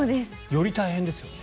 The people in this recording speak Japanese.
より大変ですよね。